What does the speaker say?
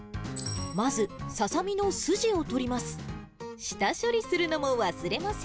まず、ササミの筋を取ります。